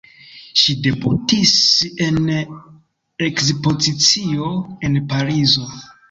Ŝi debutis en ekspozicio en Parizo.